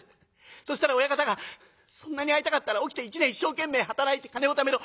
そしたら親方が『そんなに会いたかったら起きて一年一生懸命働いて金をためろ。